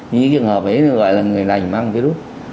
những trường hợp ấy gọi là người lành mang virus